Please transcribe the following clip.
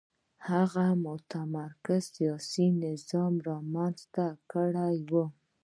هغه متمرکز سیاسي نظام یې رامنځته کړی و.